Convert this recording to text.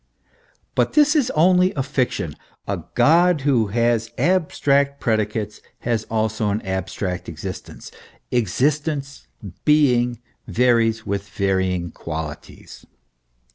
But this is only a fiction. A God who has abstract predicates has also an abstract existence. Existence, being, varies with varying qualities.